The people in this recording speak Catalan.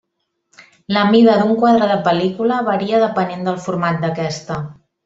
La mida d'un quadre de pel·lícula varia depenent del format d'aquesta.